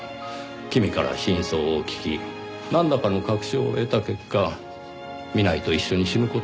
君から真相を聞きなんらかの確証を得た結果南井と一緒に死ぬ事を決意した。